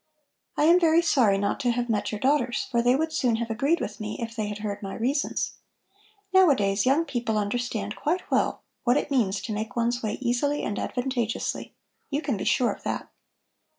"I am very sorry not to have met your daughters, for they would soon have agreed with me, if they had heard my reasons. Nowadays young people understand quite well what it means to make one's way easily and advantageously. You can be sure of that."